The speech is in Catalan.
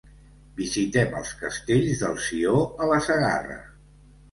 Visitem els Castells del Sió a la Segarra.